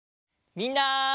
みんな。